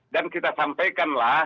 dan kita sampaikanlah